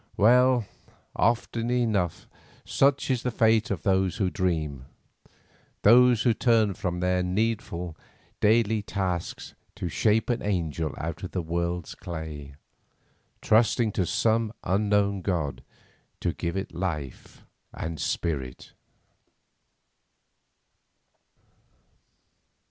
Well, often enough such is the fate of those who dream; those who turn from their needful, daily tasks to shape an angel out of this world's clay, trusting to some unknown god to give it life and spirit.